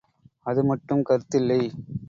அது மட்டும் கருத்தில்லை.